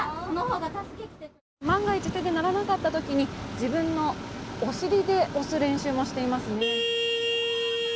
万が一手で鳴らなかったときに自分のお尻で押す練習もしていますね。